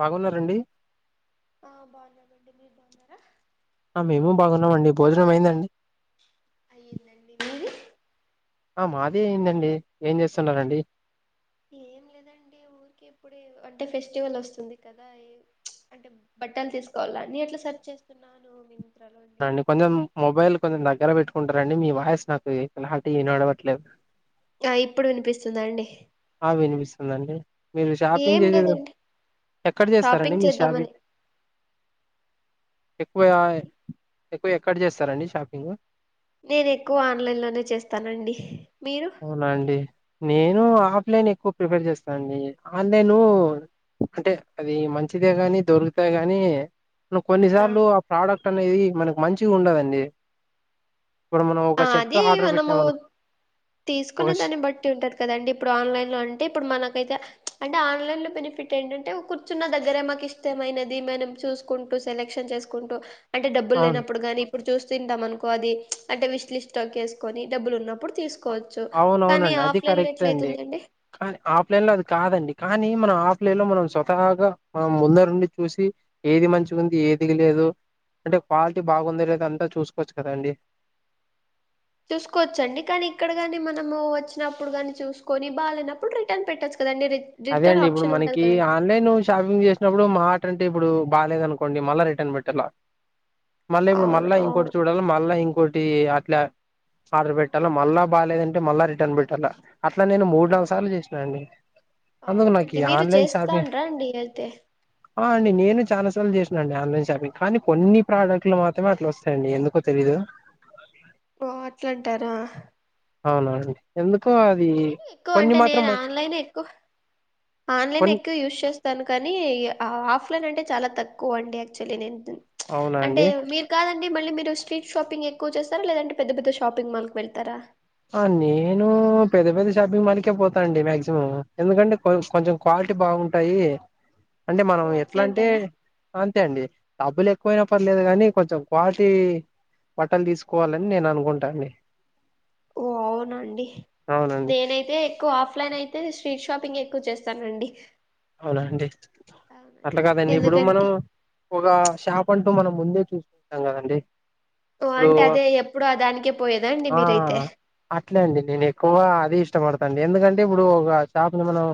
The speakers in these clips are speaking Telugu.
బాగున్నారండి ఆ బాగున్నారండి మీరు బాగున్నారా ఆ మేము బాగున్నామండి భోజనం అయిందండి అయ్యందండి మీది ఆ మాది అయిందండి ఏం చేస్తున్నారండి ఏం లేదండి ఊరికే ఇప్పుడే అంటే ఫెస్ ఫెస్టివల్ వస్తుంది కదా అంటే బట్టలు తీసుకోవాలా నేట్లా సెర్చ్ చేస్తున్నాను మింత్రాలో అండి కొంచెం మీరు మొబైల్ కొంచెం దగ్గర పెట్టుకో కుంటారండి మీ వాయిస్ నాకు ఇలాంటి వినభడట్లేదు ఆ ఇప్పుడు వినిపిస్తుందా అండి వినిపిస్తుందిండి మీరు షాపింగ్ ఏం చేసేది లేదండి ఎక్కడ చేస్తారండి షాపింగ్ మీరు చేద్దామని షాపింగ్ ఎక్కువ చెప్పండి ఎక్కువ ఎక్కడ చేస్తారండి షాపింగ్ నేనేక్కువ ఆన్లైన్ లోనే చేస్తానండి మీరు అవునా అండి నేను ఆఫ్లైన్ ఎక్కువ ప్రిఫర్ చేస్తాండి ఆన్లైను ఆ అంటే అది మంచిదే కానీ దొరుకుతాయి గానీ కొన్నిసార్లు ఆ ప్రోడక్ట్ అనేది మనకు మంచిగుండదండి ఇప్పుడు మనం ఒక షర్ట్ ఆర్డర్ పెట్టా మను తీసుకునే దాన్ని బట్టి ఉంటది కదండి ఇప్పుడు ఆన్లైన్ లో అంటే ఇప్పుడు మనకైతే అంటే ఆన్లైన్ ఆన్లైన్ లో బెనిఫిట్ ఏంటంటే కుర్చున్న దగ్గరే మాకు ఇష్టమైనది మనం చూసుకుంటూ సెలెక్షన్ చేసుకుంటూ అంటే డబ్బులు అవును లేనప్పుడు గాని ఇప్పుడు చూస్తూంటాం అనుకో అది అంటే విష్ లిస్ట్ లో కేస్కుని డబ్బులు ఉన్నప్పుడు తీస్ అవునవునండి అది కరెక్ట్ అండి ఎట్లయితుందండి కానీ ఆఫ్లైన్ లో అది కాదండి కానీ టే మన ఆఫ్లైన్ లో మనం స్వతాగా మనం ముందరుండి చూసి ఏది మంచిగుంది ఏది లేదో అంటే క్వాలిటీ బాగుంది లేదా అంతా చూసుకోవచ్చు కదాండి చూసుకోచ్చండి కానీ ఇక్కడ గాని మనము వచ్చినప్పుడు గాని చూసుకొని బాలేనప్పుడు రిటర్న్ పెట్టొచ్ అదే అండి ఇప్పుడు మనకి ఆన్లైన ఆన్లైన్. లో షాపింగ్ చేసినప్పుడు మా టంటే ఇప్పుడు బాలేదనుకోండి మళ్ళా రిటర్న్ పెట్టలా మళ్ళీ ఇప్పుడు అవును మళ్ళ ఇంకోటి అవును చూడాలా మళ్ళా ఇం కోటి అట్లా ఆర్డర్ పెట్టాల మళ్ళా బాలేదంటే మళ్ళా రిటర్న్ పెట్టల అట్లా నేను మూడు ఆ నాలుగు సార్లు చేసినా అండి అందుకు నాకీ అవునండి మీరు ఆన్లైన్ షాపింగ్ చేస్తాండ్రా అండి అయితే ఆ అండి నేను చాలా సార్లు చేసినాండి ఆన్లైన్ షాపింగ్ కానీ కొన్ని ప్రోడక్ట్లు మాత్రమే అట్లా వస్తాయండి ఎందుకో తెలీదు ఓ అట్లాంటారా అవునా అండి ఎందుకో అది ఏమి ఎక్కువ కొన్ని అంటే మాత్రం నేను మ ఆన్లైన్ ఎక్కువ ఆన్లైన్ కొన్ ఎక్కువ యూస్ చేస్తాను కానీ ఆ ఆఫ్లైన్ అంటే చాలా తక్కువ అండి యాక్చువల్లీ నేను తున్ అవునా అంటే అండి మీరు కాదం డి మళ్ళీ మీరు స్ట్రీట్ షాపింగ్ ఎక్కువ చేస్తారా లేదంటే పెద్ద పెద్ద షాపింగ్ మాల్కివెళ్తారా ఆ నేను పెద్ద పెద్ద షాపింగ్ మాల్కే పోతాండి మాక్సిమం ఎందుకంటే కొంచ్ కొంచెం క్వా ల్టీ బాగుంటాయి అంటే మనం ఓ ఎట్లా అట్లా అంటే అంటారా అంతే అండి అబ్బులెక్కువైన పర్లేదు కానీ కొంచెం క్వాలిటీ బట్టలు తీసుకోవాలని నేను అనుకుంటామ్డి ఓ అవున అండి నేనైతే ఎక్కువ ఆఫ్లైన్ అయితే స్ట్రీట్ షాపింగేఎ క్కువ చేస్తానండి అవునా అండి అవునండి అట్లా కాదండి ఇప్పుడు మనం ఎందుకంటే ఒక షాప్ అం టు మనం ముందే చూసుకుంటాం కదండి ఓ ఇప్పుడు అంటే అదే ఎప్పుడు ఆదానికే పోయేదా అండి ఆ మీరైతే అట్లే అండి నేను ఎక్కువ అది ఇష్టపడతాండి ఎందుకంటే ఇప్పుడు ఒక షాపుని మనం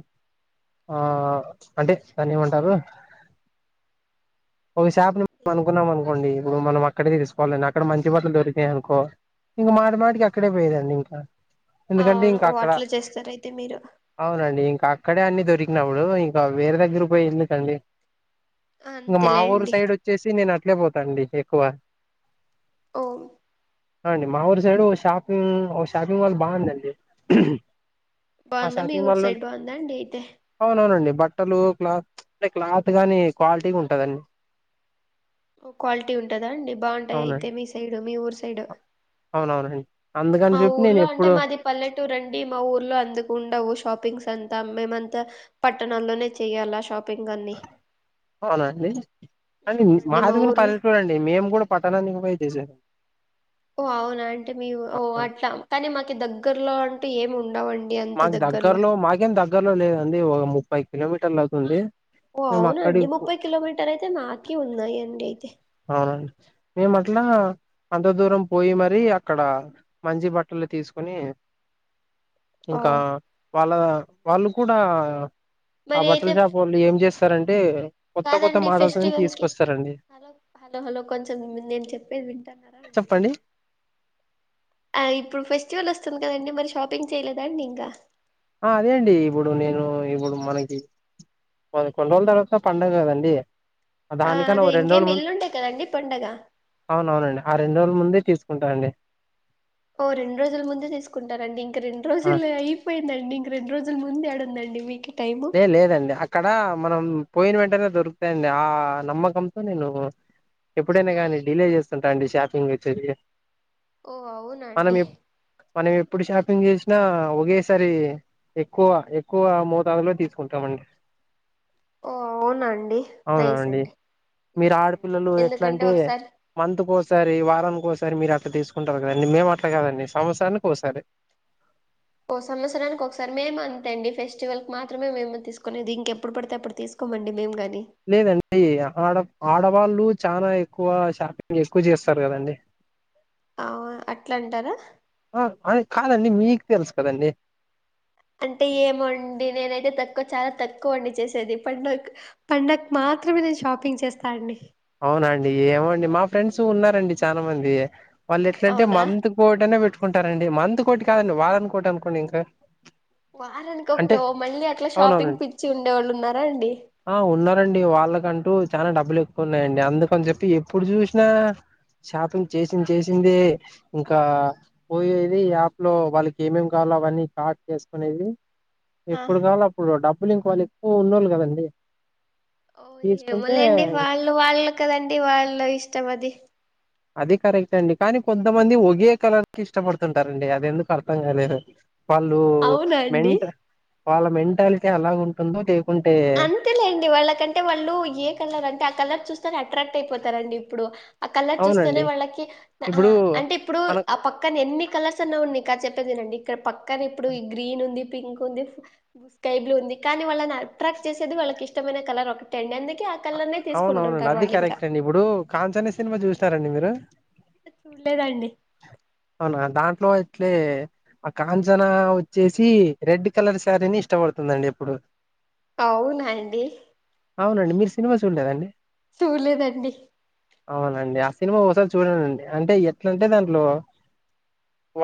ఆ అంటే దాన్నేమంటారు ఒకషాపునీ నం అనుకున్నాం అనుకోండి ఇప్పుడు మనం అక్కడికి తీసుకోవాలని అక్కడ మంచి బట్టలు దొరికాయ్ అనుకో ఇంకా మాట మాటికి అక్కడే పోయేదండి ఇంకా ఎందుకంటే అవును ఇంకా ఓ అక్కడ అట్లా చేస్తారయితే మీరు అవునండి ఇంకా అక్ క్కడే అన్ని దొరికినప్పుడు ఇంకా వేరే దగ్గర పోయి ఎందుకండి ఇంకా మా ఊరు అంతేలేండి సైడ్ వచ్చేసి నేను అట్లే పోతాండి ఎక్కువ ఓ ఆండి మా ఊరు సైడు ఓ షాపింగ్ ఓ షాపింగ్ మాల్ బాగుందండి ఆ బాందా మీ ఊరు సైడ్ బాందా అండి అయితే అవునండి బట్టలు క్లాత్ అంటే క్లాత్ గానీ క్వాలిటీగుంటదండి ఎక్కువ క్వాలిటీ ఉంటదా అండి బాంటాయి అయితే అవునండి మీ సైడు మీ ఊరు సైడు అవునవునండి అందుకని మా చెప్పి నేను ఊర్లో అంటే ఎప్పుడు మాది పల్లెటూరండి మా ఊర్లో అందుకు ఉండవు షాప్ పింగ్స్ అంతా మేమంత పట్టణాల్లో చేయాలా షాపింగ్ అన్ని అవునండి అండి మ్, మా మాదిగుని ఊర్లో పల్లెటూరండి మేము కూడా పట్టణానికి పోయి చేశాం ఓ అవునా అంటే మీ ఓ అట్లా కానీ మాకు దగ్గరలో అంటూ ఏమి ఉండవం మాక్ దగ్గరలో మాకేం దగ్గరలో లేదండి ఒక ముప్పై కిలోమీటర్లు అవుతుంది ఓ మేము అవునండి అక్కడికి పో ముప్పై కిలోమీటర్ అయితే మాకి ఉన్నాయండి అయితే అవునండి మేము అట్లా అంత దూరం పోయి మరి అక్కడ మంచి బట్టలు తీసుకొని ఓ ఇంకా వాళ్ళ వాళ్ళు కూడా ఆ మరి అయితే బట్టల్ షాప్పోల్లు ఏం చేస్తారంటే కొత్త కొత్త కాదండి మోడల్స్ అవీ తీసుకొస్తరండీ హాలో హాలో కొంచం నేను చెప్పేది వింటన్నారా అండీ చెప్పండి ఆ ఇప్పుడు ఫెస్టివల్ వస్తుంది కదండీ మరి షాపింగ్ చేయలేదాండి ఇంకా ఆ అదే అండీ ఇప్పుడు నేను ఇప్పుడు మనకీ పదకొండు రోజుల తర్వాత పండగ కదండీ ఆ దానికన్నా అదే ఒ రెండు ఇంకేం రోజుల ముంద్ ఎల్లుండే కదండి పండగ అవునవునండీ ఆ రెం రెండు రోజుల ముందే తీసుకుంటా అండి ఓ రెండు రోజుల ముందే తీసుకుంటారండీ ఇంక రెండు ఆ రోజులు అయిపోయిందండీ ఇం రెండు రోజుల ముంద్ యాడుందండి మీకీ లే లేదండీ అక్కడా మనం పోయిన వెంటనే దొరుకుతాయండీ ఆ నమ్మకంతో నేనూ ఎప్పుడైనా కానీ డిలే చేస్తుంటా అండీ షాపింగ్ వచ్చేదీ ఓ అవునండీ మనం ఎప్పుడు షాపింగ్ చేసినా ఒకేసారీ ఎక్కువ ఎక్కువ మోతాదులో తీసుకుంటామండీ ఓ అవునా అండి నైస్ అండీ మీరు ఆడపిల్లలు ఎట్లంటే మంత్ కోసారీ వారానికోసా సారీ మీరు అట్ల తీసుకుంటారు కదండీ మేము అట్ల కాదండీ సంవత్సరానికో సారే ఓ సంవత్సరానికి ఒకసారి మేము అంతే అండీ ఫెస్టివల్కి మాత్రమే మేము తీసుకునేది ఇంకెప్పుడు పడితే అప్పుడు తీసుక్ కొం అండి మేంగన్ లేదండీ ఆడ ఆడవాళ్ళు చానా ఎక్కువా షాపింగ్ ఎక్కువ చేస్తారు కదండీ ఆ అట్లంటారా ఆ అది కాదండి మీక్ తెలుస్ కదండీ అంటే ఏమోండీ నేనైతే తక్కువ చాలా తక్కువండి చేసేది పండక్ పండక్ మా మాత్రమే నేను షాపింగ్ చేస్తా అండీ అవునాండి ఏమోండి మా ఫ్రెండ్స్ ఉన్నారండి చాలా మంది వాళ్ళు ఎట్లంటే అవునా మంత్ కోటనే పెట్టుకుంటారండీ మంత్ కోటి కాదండీ వారనుకోటి అనుకోండి ఇంకా వారానికి అంటే ఒకటో మళ్ళీ అట్ల షాపింగ్ అవునవునండి పిచ్చి ఉండేవాళ్ళు ఉన్నారా అండీ ఆ ఉన్నారండీ వాళ్ళకంటూ చానా డబ్బులు ఎక్కువ ఉన్నాయండీ అందుకని చెప్పి ఎప్పుడు జూసినా షాపింగ్ చేసింది చేసిందే ఇంకా పోయేది యాప్ లో వాళ్ళకి ఏమేం కా వాలో అవన్నీ కార్ట్ వేసుకునేది ఆ ఎప్పుడు కాలో అప్పుడు డబ్బులు ఇంకో వాళ్ళు ఎక్కువ ఉన్నోళ్ళు కదండీ ఓ ఏమోలేండీ వాళ్ళు వాళ్ళు కదండీ వాళ్ళు ఇష్టం అదీ అది కరెక్టే అండీ కానీ కొంతమంది ఒగే కలర్ కి ఇష్టపడుతుంటారండీ అది ఎందుకొ అర్థం కాలేదు వాళ్ళు అవునా అండి మెంట్ వాళ్ళ మెంటాల్టీ అలాగుంటుందో అంతేలేండీ వాళ్ళకంటే వాళ్ళు ఏ కలర్ అంటే కలర్ చూస్తేనే అట్రాక్ట్ అయిపోతారండీ ఇప్పుడు ఆ కలర్ చూస్తేనే అవునండి వాళ్ళకి ఆ ఇప్పుడు అంటే ఇప్పుడు మన ఆ పక్కన ఎన్ని కలర్స్ ఉన్నా కూడా నిక్ చెప్ కదండీ ఇక్కడ పక్కనే ఇప్పుడు ఈ గ్రీన్ ఉందీ పింక్ ఉందీ స్కై బ్లూ ఉందీ కానీ వాళ్ళ నా అట్రాక్ట్ చేసేది వాళ్ళకీ ఇష్టమైన కలర్ ఒకటే అండీ అందు అవునవునండీ అది కరెక్టే అండీ ఇప్పుడ కాంచన సినిమా చూసారండీ మీరు అ చూళ్లేదండీ మో ఎట్లే ఆ కనంచనా వచ్చేసీ రెడ్ కలర్ శారీని ఇష్టపడుతుందండీ ఇప్పుడు అవునండీ అవునండి మీర్ సినిమా చూడలేదా అండి చూల్లేదండీ అవునండీ ఆ సినిమ ఓసారి చూడలేదండీ అంటే ఎట్లుంటే దాంట్లో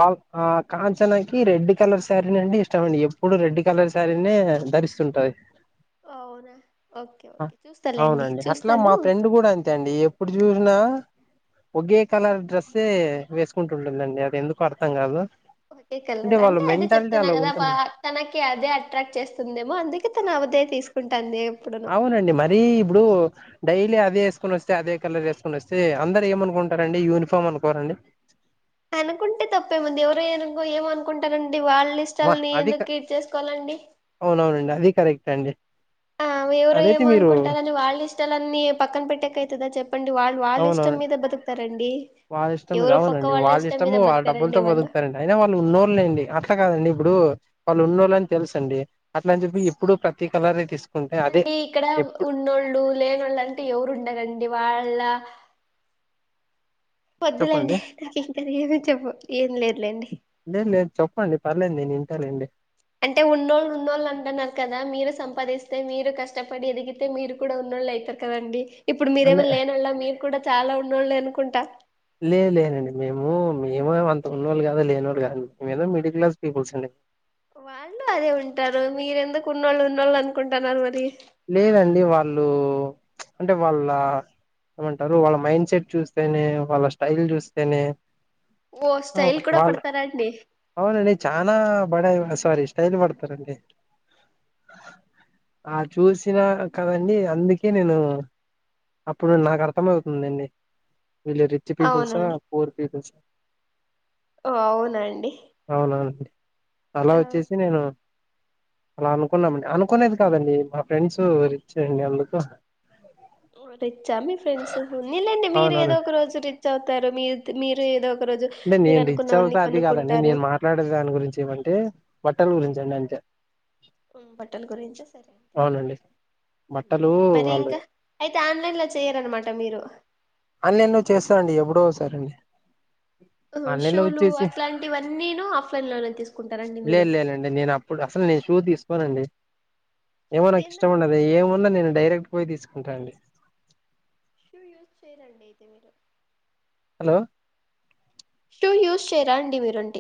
వాళ్ ఆ కాంచనాకి రెడ్ కలర్ శారీ అండి ఇష్టమండి ఎప్పుడు రెడ్ కలర్ శారీనే అంటె ధరిస్తుంటది అవునా ఓకె ఓకె అవునండి అట్ల మా ఫ్రెండ్ కూడ అంతే అండి ఎప్పుడు చూసిన ఒకే కలర్ డ్రెస్సే వేసుకుంటుంటుందండి అది ఎందుకు అర్థం కాదు ఒకే కలర్ వాళ్ళ అంటే అదే మెంటాలిటీ చెప్తున్న అలా కదా ఉంటుందండి తనకి అదే అట్రాక్ట్ చేస్తుందేమో అందుకే తన అవె అంతె తీసుకుం అవునండి మరీ ఇప్పుడు డైలీ అదే వేసుకని వస్తే అదే కలర్ వేసుకొని వస్తే అందరు ఏమనుకుంటారండి యూనిఫామ్ అనుకోరండి అనుకుంటే తప్పే ముంది ఎవరో ఏం అనుకుంటారం డి వాళ్ళ వా ఇష్టాలని అది క ఎందుకు కేర్ చేసుకోవాలండి అవునవునండి అది కారెక్టె అండి ఆ ఎవరో అదైతే ఏమో మీరు అనుకుంటారని వాళ్ళ ఇష్టాలనిీ పక్కన పెట్టకైతదా చెప్ప చెప్పండి వాళ్ళు వాళ్ళ అవునవును ఇష్టం మీద బతుకుతారండి వాళ్ళ ఇష్టం మీద ఎవరో పక్క అవునండి వాళ్ళ ఇష్టం ఇష్టము మీద వాళ్ళ బతకారండి డబ్బులతో వాళ్ళు బతుకుతారండి అయినా వాళ్ళు ఉన్నోళ్లేండి అట్లా కాదండి ఇప్పుడు వాళ్ళు ఉన్నోళ్ళు అని తెల్సు అండి అట్ల అని చెప్పి ఎప్పుడు ప్రతిీ కలర్ చూడండి ఇక్కడ ఉన్నోళ్ళు లేనోళ్ళు అంటే ఎవరు ఉండరంండి వాళ్ళ ఒద్దులే అండి చెప్పండి నాకు ఇంకా ఏమి చెప్ప ఏం లేదులేండి లేద్ లేద్ చెప్పండి పర్లేదు నేను వింటాలె అండి అంటే ఉన్నోళ్ళు ఉన్నోళ్ళు అంటున్నారు కదా మీరు సంపాదిస్తే మీరు కష్టపడి ఎదిగితే మీరు కూడా ఉన్ ఉన్నోళ్ళు అయితరు కదండి ఇప్పుడు అంటే మీరేమన్నా లేనోళ్ళు మీరు కూడ చాల ఉన్నోళ్ళు అనుకుంటా లేదు లేదండి మేము మేము అంత ఉన్నళ్ళు కదా లేనోళ్ళు కాదండి మేేమో మిడిల్ క్లాస్ పీపుల్స్ అండి వాళ్ళు అదే ఉంటారు మీరెందుకు ఉన్నోళ్ళు ఉన్నోళ్ళు అనుకుంటున్నారు మరి లేదండి వాళ్ళు అంటే వాళ్ళ ఏమంటారు వాళ్ళ మైండ్ సెట్ చూస్తేనే వాళ్ళ స్టైల్ చూస్తేనే ఓ ఏదో స్టైల్ ఒక కూడా ఫాల్ట్ పడతారా అండి అవునండి చానా బడాయి స్వారి స్టైల్ కోడతార్ అండి ఆ చూసినా కదండి అందుకే నేను అప్పుడు నాకు అర్థం అవుతుందండి వీళ్ళు రిచ్ పీపుల్సా పూర్ పీపుల్సా ఆవునండి అవునవునండి అలా వచ్చేసి నేను అలా అనుకున్నామండి అనుకునేది కాదండి మా ఫ్రెండ్స్ రిచ్చండి అందుకు రిచ్చా మీ ఫ్రెండ్స్ మీరు ఏదో అవునవును ఒక రోజు రిచ్ అవుతారు మీ మీరు ఏదో [unintelligible] అంటే మీరు నేన్ రిచ్ అనుకున్నవన్నీ అవుతేా అది కాదండి కొనుక్కుంటారు నేన్ మాట్లాడే దాని గురించి ఏమంటే బట్టలు గురించండి అంతే బట్టల గురించ సరే అవునండి బట్టలు మరి వాళ్ళు ఇంక అయితే ఆన్లైన్ లో చేయరనమాట మీరు ఆన్ లైన్లో చేస్తా అండి ఎప్పుడో ఒక సారండి ఆహా, ఆన్లైన్ లో షూలు వచ్చేసి అట్లాంటివన్నీను ఆఫ్లైన్ లోనే తీసుకుంటారండి మీరు లేదు లేనండి నేను అప్పుడు అసలు నేను షూ తీసుకు కోనండి షూ ఏమో నాకు ఇష్టం ఎందుకండి ఉండదు మీరు షూ ఏమన్న యూ నేను డైరెక్ట్ పోయి తీసుకుంటానండి షూ యూజ్ చేయరండి ఐతే మీేరు హలో షూ యూజ్ చేయరాండి మీరుండి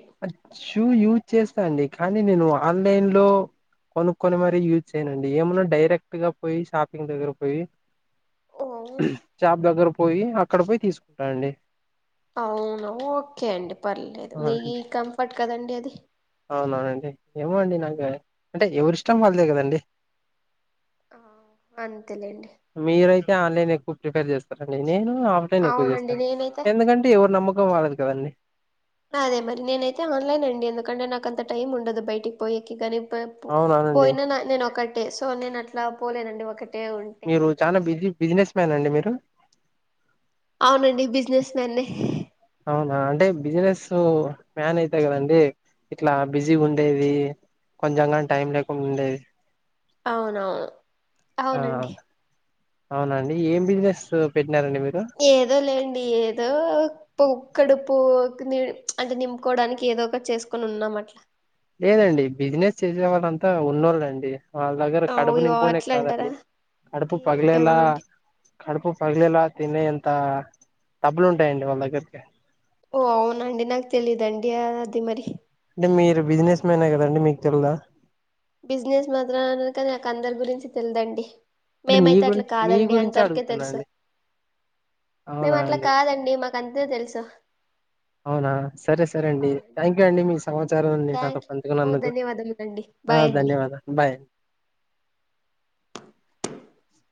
షూ యూజ్ చేస్తా అండి కానీ నేను ఆన్లైన్ లో కొనుక్కొని మరి యూజ్ చేయనండి ఏమన్నా డైరెక్ట్ గా పోయి షాపింగ్ దగ్గర పోయి. ఓ అవును ఉమ్ షాప్ దగ్గర పోయి అక్కడ పోయి తీసుకుంటానండి. అవునా ఓకే అండి పర్లేదు మీ అవునండి కంఫర్ట్ కదండి అది. అవునవునండి ఏమో అండి నాకు ఉమ్, అంటే ఎవరిష్టం వాళ్ళదే కదండి. ఆహ్ అంతేలేండి. మీరైతే ఆన్లైన్ ఎక్కువ ప్రిపేర్ చేస్తారండి నేను. ఆఫ్ లైన్ ఎక్కువ అవునండి చేస్తారు. నేనైతే ఎందుకంటే ఎవరు ఎక్- నమ్మకం వాళ్ళది కదండి. అదే మరి నేనైతే ఆన్లైన్ అండి. ఎందుకంటే నాకంత టైమ్ ఉండదు బయటికి పోయేకి గానీ. తే పో అవునవునండి పోయిన నా నేను ఒకటే సో నేను అట్లా పోలేనండి ఒకట్ మీరు చానా బిజీ బిజినెస్ మ్యానా అండి మీరు. అవునండి బిజినెస్ మ్యాన్నే. అవునా అంటే బిజినెస్ మ్యాన్ అయితే కదండి. ఇట్లా బిజీ ఉండేది కొంచెంగాని టైం లేకుండా ఉండేది. అవునవును ఆ అవునండి. అవునండి ఏం బిజినెస్ పెడ్ ఏదో లేండి ఏద్. ఏదో పౌ కడుపు నిం ప్చ్ అంటే నింపుకోవడానికి ఏదో ఒకటి చేసుకొని ఉన్నాం అట్లా. లేదండి బిజినెస్ చేసే వాళ్ళంతా ఉన్నోళ్ళండి. వాళ్ళ దగ్గర కడుపు అయ్యో నింపుకునే అట్లా అంటారా కాదండి కడుపు పగిలేలా. ఏమో అండి కడుపు పగిలేలా తినే అంత డబ్బులు ఉంటాయండి వాళ్ళ దగ్గరికి. ఓ అవున అండి నాకు తెలిదండి అది మరి. అంటే మీరు బిజినెస్ మ్యానే కదండి మీకు తెలిదా. బిజినెస్ మాత్రమే అన్ కానీ నాకు అందరి గురించి తెలిదండి. అంటే నీ మేమైతే గురి అట్లా మీ కాదండి గురించే అంతవరకే అడుగుతున్నా తెలుసు. అండి అవునా మేము అట్లా అండి కాదండి మాకు అంతే తెలుసు. అవునా సరే సరే అండి. అవునండి థ్యాంక్ యూ అండి మీస్ సమాచారం అండి నాతో థ్యాంక్ యూ. ఓ పంచుకున్నందుకు ధన్యవాదములండి ఆహ్ బాయ్ అండి ధన్యవాదాలు బాయ్. [inaudible]